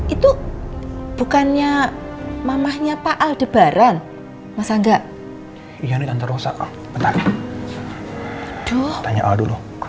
itu bukannya mamahnya pak aldebaran masa enggak